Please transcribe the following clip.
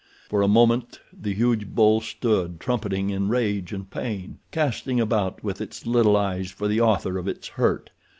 For a moment the huge bull stood trumpeting in rage and pain, casting about with its little eyes for the author of its hurt.